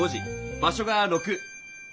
場所が６。